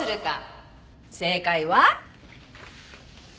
正解は。